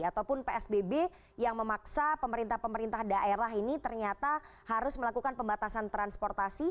ataupun psbb yang memaksa pemerintah pemerintah daerah ini ternyata harus melakukan pembatasan transportasi